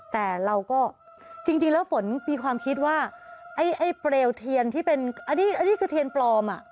แต่เราก็จริงแล้วฝนมีความคิดว่าไอ้เปลวเทียนที่เป็นอันนี้คือเทียนปลอม